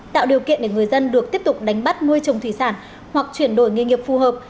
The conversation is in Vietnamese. tạo điều kiện để người dân được tiếp tục đánh bắt nuôi trồng thủy sản hoặc chuyển đổi nghề nghiệp phù hợp